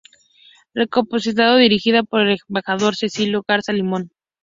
Recopilación dirigida por el Embajador Cecilio Garza Limón.